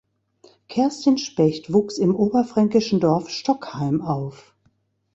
Kerstin Specht wuchs im oberfränkischen Dorf Stockheim auf.